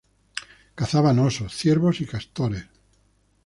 Cazaban osos, ciervos y castores.